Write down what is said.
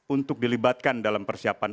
untuk dilibatkan dalam persiapan